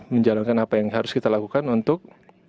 menjalankan apa yang harus kita lakukan untuk